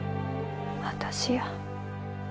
私や。